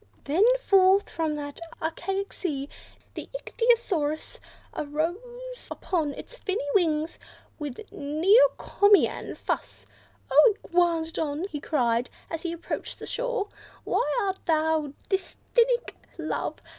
Then, forth from that archaic sea, the Ichthyosaurus Uprose upon his finny wings, with neocomian fuss, "Oh, Iguanodon!" he cried, as he approached the shore, "Why art thou thus dysthynic, love?